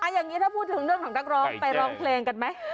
อย่างนี้ถ้าพูดถึงเรื่องของนักร้องไปร้องเพลงกันไหม